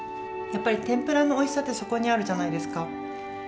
やっぱり天ぷらのおいしさってそこにあるじゃないですか。